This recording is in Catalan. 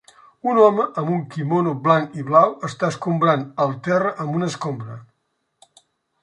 Un home amb un quimono blanc i blau està escombrant el terra amb una escombra.